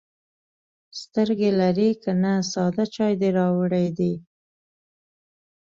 _سترګې لرې که نه، ساده چای دې راوړی دی.